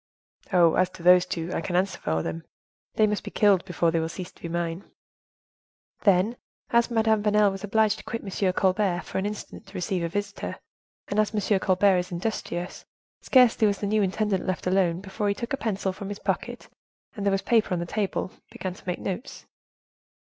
"Oh, as to those two, I can answer for them; they must be killed before they will cease to be mine." "Then, as Madame Vanel was obliged to quit M. Colbert for an instant to receive a visitor, and as M. Colbert is industrious, scarcely was the new intendant left alone, before he took a pencil from his pocket, and, there was paper on the table, began to make notes."